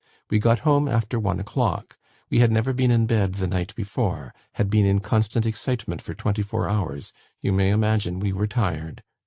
We got home after one o'clock. We had never been in bed the night before; had been in constant excitement for twenty four hours; you may imagine we were tired.